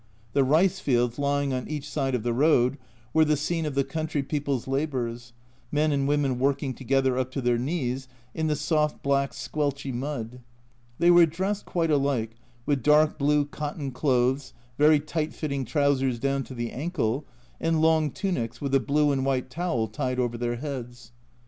The rice fields lying on each side of the road were the scene of the country people's labours, men and women working together up to their knees in the soft black squelchy mud. They were dressed quite alike, with dark blue cotton clothes, very tight fitting trousers down to the ankle, and long tunics with a blue and white towel tied over their heads.